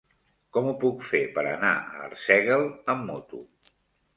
Com ho puc fer per anar a Arsèguel amb moto?